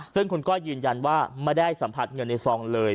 ซึ่งคุณก้อยยืนยันว่าไม่ได้สัมผัสเงินในซองเลย